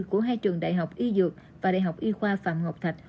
của hai trường đại học y dược và đại học y khoa phạm ngọc thạch